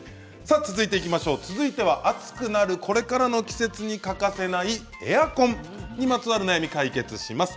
続いては暑くなるこれからの季節に欠かせないエアコンにまつわる悩みを解決します。